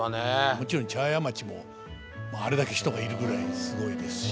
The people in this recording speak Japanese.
もちろん茶屋町もあれだけ人がいるぐらいすごいですし。